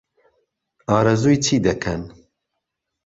ئارەزووی چی دەکەن؟